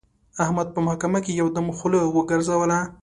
احمد په محکمه کې یو دم خوله وګرځوله.